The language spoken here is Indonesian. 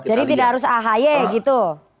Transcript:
jadi tidak harus ahy gitu